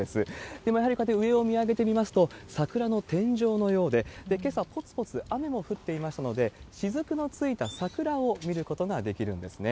でも、やはりこうやって上を見上げてみますと、桜の天井のようで、けさ、ぽつぽつ雨も降っていましたので、しずくのついた桜を見ることができるんですね。